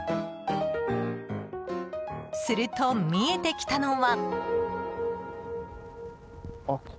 すると見えてきたのは。